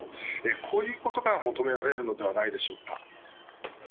こういうことが求められるのではないでしょうか。